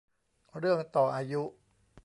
เรื่องต่ออายุ